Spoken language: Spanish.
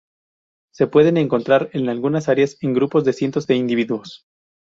Se pueden encontrar en algunas áreas, en grupos de cientos de individuos.